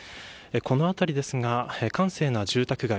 この辺りですが閑静な住宅街。